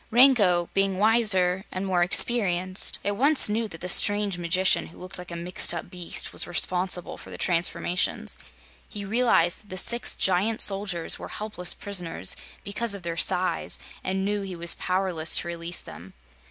And Rango, being wiser and more experienced, at once knew that the strange magician who looked like a mixed up beast was responsible for the transformations. He realized that the six giant soldiers were helpless prisoners, because of their size, and knew he was powerless to release them.